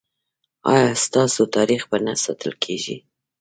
ایا ستاسو تاریخ به نه ساتل کیږي؟